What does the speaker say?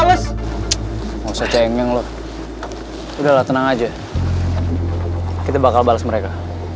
boy itu ada kok di kamarnya